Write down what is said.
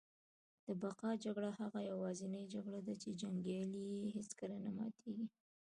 د بقا جګړه هغه یوازینۍ جګړه ده چي جنګیالي یې هیڅکله نه ماتیږي